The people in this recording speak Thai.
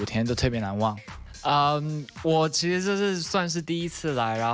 ถ้าในเมืองไทยกันก็น่ารักที่มี๕วัน